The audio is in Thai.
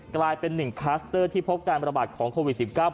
กลายเป็น๑คลัสเตอร์ที่พบการระบาดของโควิด๑๙